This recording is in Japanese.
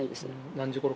何時ごろ